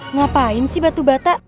ngapain sih batu bata